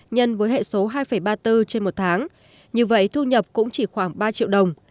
nhân với hệ số hai ba mươi bốn trên một tháng như vậy thu nhập cũng chỉ khoảng ba triệu đồng